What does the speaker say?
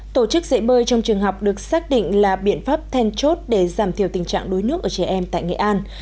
tổ chức dạy bơi trong trường học được xác định là biện pháp then chốt để giảm thiểu tình trạng đuối nước ở trẻ em tại nghệ an